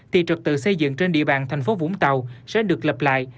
thì trực tự xây dựng trên địa bàn thành phố vũng tàu sẽ được lập lại